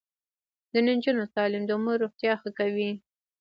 د نجونو تعلیم د مور روغتیا ښه کوي.